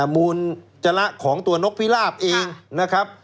มูลจระของตัวนกพิราบเองนะครับ